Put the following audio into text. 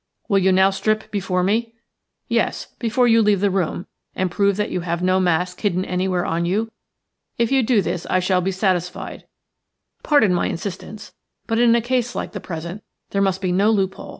Will you now strip before me? – yes, before you leave the room, and prove that you have no mask hidden anywhere on you. If you do this I shall be satisfied. Pardon my insistence, but in a case like the present there must be no loophole."